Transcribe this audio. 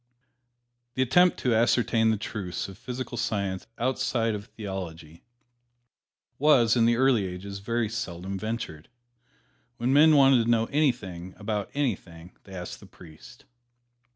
The attempt to ascertain the truths of physical science outside of theology was, in the early ages, very seldom ventured. When men wanted to know anything about anything, they asked the priest.